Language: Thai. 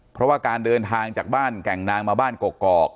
เพราะว่าการเดินทางจากบ้านแก่งนางมาบ้านกอก